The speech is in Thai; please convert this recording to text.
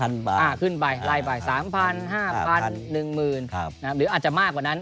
อ่ะขึ้นไปลายไป๓๐๐๐๕๐๐๐๑๐๐๐บาทหรืออาจจะมากกว่านั้น